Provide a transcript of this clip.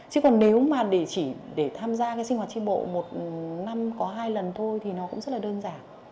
chứ còn nếu mà để chỉ để tham gia cái sinh hoạt tri bộ một năm có hai lần thôi thì nó cũng rất là đơn giản